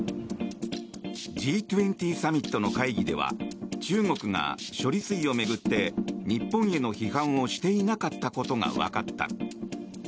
Ｇ２０サミットの会議では中国が処理水を巡って日本への批判をしていなかったことがわかった。